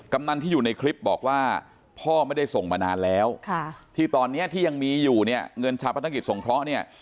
กำนันที่อยู่ในคลิปบอกว่าพ่อไม่ได้ส่งมานานแล้วที่ตอนนี้ที่ยังมีอยู่เนี่ยเงินชาวพนักกิจสงเคราะห์เนี่ย